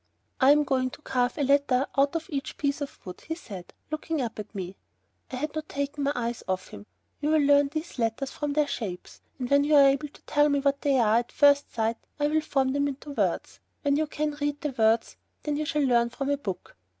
"I am going to carve a letter out of each piece of wood," he said, looking up at me. I had not taken my eyes off of him. "You will learn these letters from their shapes, and when you are able to tell me what they are, at first sight, I'll form them into words. When you can read the words, then you shall learn from a book."